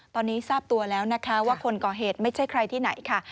ตอนนี้ทราบตัวแล้วนะคะว่าคนก่อเหตุไม่ใช่ใครที่ไหนค่ะ